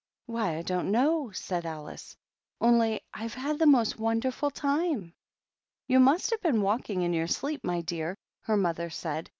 Why, I don't know," said Alice, " only I've had the most wonderful time!" " You must have been walking in your sleep, my dear," her mother said.